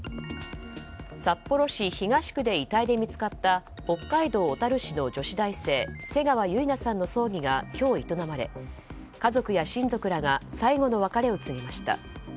札幌市東区で遺体で見つかった北海道小樽市の女子大生瀬川結菜さんの葬儀が今日営まれ、家族や親族らが最後の別れを告げました。